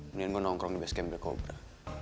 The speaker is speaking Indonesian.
mendingan gue nongkrong di base camp di cobra